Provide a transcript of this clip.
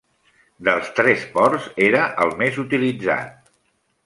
Dels tres ports era el més utilitzat.